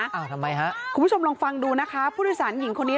คุณผู้ชมลองฟังดูนะคะผู้โดยสารผู้หญิงคนนี้